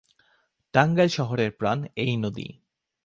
টাঙ্গাইল শহরের প্রান এই নদী।